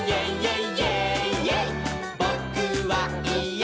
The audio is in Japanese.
「ぼ・く・は・い・え！